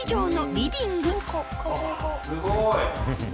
すごい。